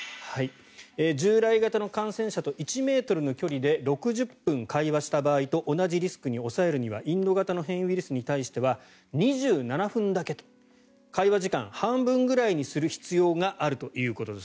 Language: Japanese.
従来型の感染者と１ｍの距離で６０分会話した場合と同じリスクに抑えるにはインド型の変異ウイルスに対しては２７分だけと会話時間半分ぐらいにする必要があるということです。